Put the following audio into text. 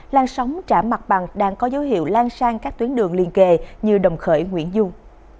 lan sóng trả mặt bằng đang có dấu hiệu lan sang các tuyến đường liên kề như đồng khởi nguyễn dung